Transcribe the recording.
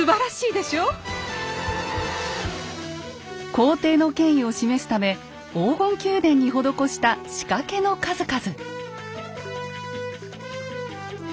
皇帝の権威を示すため黄金宮殿に施した仕掛けの数々。